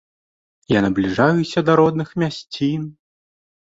Я набліжаюся да родных мясцін.